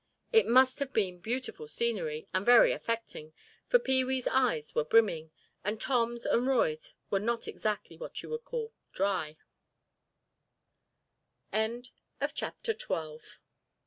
It must have been beautiful scenery and very affecting, for Pee wee's eyes were brimming, and Tom's and Roy's were not exactly what you would cal